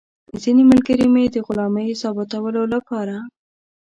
ځینې ملګري مې د غلامۍ ثابتولو لپاره.